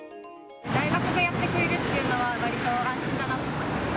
大学がやってくれるっていうのは、わりと安心だなと思いました。